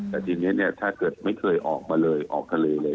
แต่จริงถ้าเกิดไม่เคยออกมาเลยออกทะเลเลย